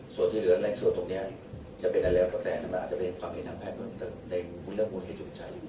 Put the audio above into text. ส่วนที่เหลือแรงส่วนตรงนี้จะเป็นอะไรแล้วก็แต่มันอาจจะเป็นความเห็นทางแพทย์เพิ่มเติมในเรื่องมูลเหตุจูงใจ